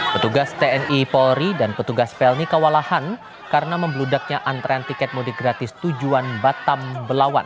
petugas tni polri dan petugas pelni kewalahan karena membludaknya antrean tiket mudik gratis tujuan batam belawan